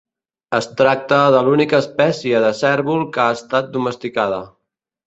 Es tracta de l'única espècie de cérvol que ha estat domesticada.